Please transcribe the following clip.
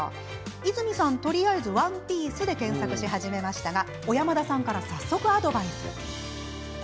和泉さん、とりあえず「ワンピース」で検索し始めましたが小山田さんから早速アドバイス。